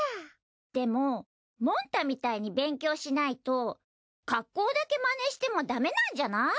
でももんたみたいに勉強しないと格好だけマネしてもダメなんじゃない？